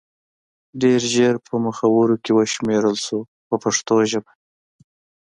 ډېر ژر په مخورو کې وشمېرل شو په پښتو ژبه.